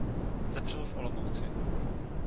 Zemřel v Olomouci.